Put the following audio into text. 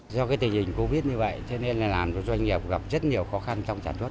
do tình hình covid một mươi chín như vậy doanh nghiệp gặp rất nhiều khó khăn trong trả thuất